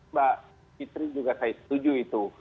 mbak fitri juga saya setuju itu